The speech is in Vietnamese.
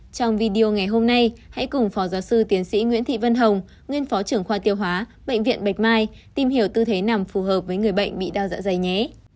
trong video ngày hôm nay hãy cùng phó giáo sư tiến sĩ nguyễn thị vân hồng nguyên phó trưởng khoa tiêu hóa bệnh viện bạch mai tìm hiểu tư thế nằm phù hợp với người bệnh bị đau dạ dày nhé